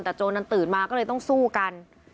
แต่โจรนั้นตื่นมาก็เลยต้องสู้กัน